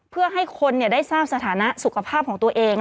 เพื่อให้คนได้ทราบสถานะสุขภาพของตัวเอง